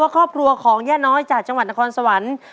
ครอบครัวของย่าน้อยจากจังหวัดนครสวรรค์